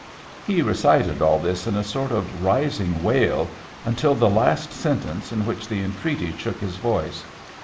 He recited all this in a sort of rising wail until the last sentence, in which the entreaty shook his voice.